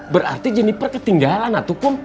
berarti jeniper ketinggalan atuh kum